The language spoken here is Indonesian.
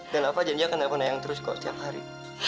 dan alva janji akan telepon yang terus kok setiap hari